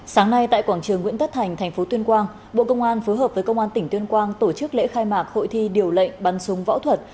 sáng nay tại quảng trường nguyễn tất thành thành phố tuyên quang bộ công an phối hợp với công an tỉnh tuyên quang tổ chức lễ khai mạc hội thi điều lệnh bắn súng võ thuật